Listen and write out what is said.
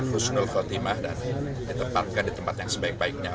husnul khotimah dan ditempatkan di tempat yang sebaik baiknya